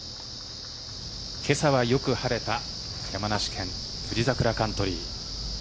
今朝はよく晴れた山梨県、富士桜カントリー。